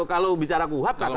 kalau bicara kuhab katanya